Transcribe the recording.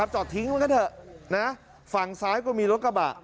จอดทิ้งไว้ก็เถอะฝั่งซ้ายก็มีรถกระบะ